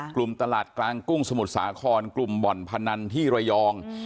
กลุ่มตลาดกลางกุ้งสมุทรสาครกลุ่มบ่อนพนันที่ระยอง